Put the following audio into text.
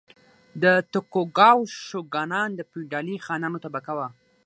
د توکوګاوا شوګانان د فیوډالي خانانو طبقه وه.